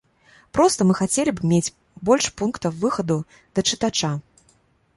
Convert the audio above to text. Проста мы хацелі б мець больш пунктаў выхаду да чытача.